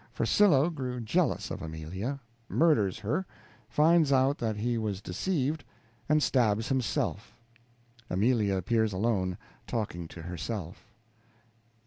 Farcillo grew jealous of Amelia, murders her, finds out that he was deceived, and stabs himself. Amelia appears alone, talking to herself.